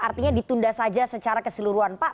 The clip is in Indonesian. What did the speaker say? artinya ditunda saja secara keseluruhan pak